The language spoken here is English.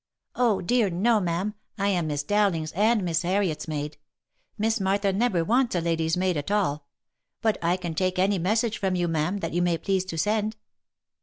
" Oh ! dear no, ma'am, I am Miss Dowling's and Miss Harriet's maid. Miss Martha never wants a lady's maid at all ; but I can take any message from you, ma'am, that you may please to send."